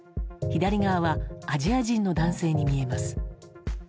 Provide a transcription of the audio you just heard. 左側はアジア人の男性に見えます。